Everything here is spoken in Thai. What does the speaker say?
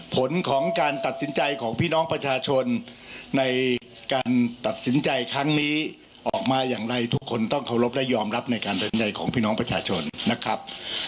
ผลของการตัดสินใจของพี่น้องประชาชนในการตัดสินใจครั้งนี้ออกมาอย่างไรทุกคนต้องเคารพและยอมรับในการตัดสินใจของพี่น้องประชาชนนะครับ